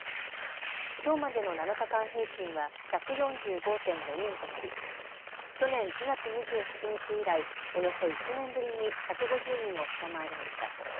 きょうまでの７日間平均は１４５．４人となり去年９月２８日以来、およそ１年ぶりに１５０人を下回りました。